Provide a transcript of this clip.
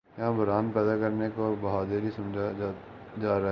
یہاں بحران پیدا کرنے کو بہادری سمجھا جا رہا ہے۔